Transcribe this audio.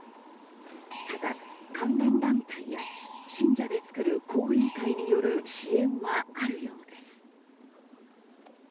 ただ、関連団体や信者で作る後援会による支援はあるようです。